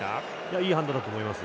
いい判断だと思います。